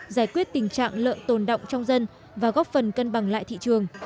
giải quyết tình trạng lợn tồn động trong dân và góp phần cân bằng lại thị trường